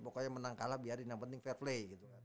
pokoknya menang kalah biarin yang penting fair play